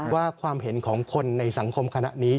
ว่าความเห็นของคนในสังคมคณะนี้